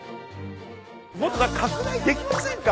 もっと拡大できませんか？